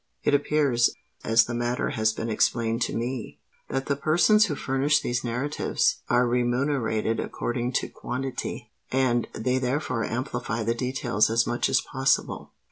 It appears—as the matter has been explained to me—that the persons who furnish these narratives are remunerated according to quantity; and they therefore amplify the details as much as possible."